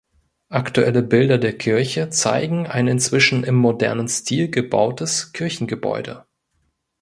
Aktuelle Bilder der Kirche zeigen ein inzwischen im modernen Stil gebautes Kirchengebäude.